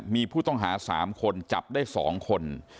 มีผู้ต้องหา๓คนจับได้๒คน